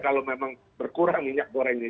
kalau memang berkurang minyak gorengnya